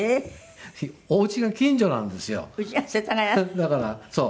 だからそう。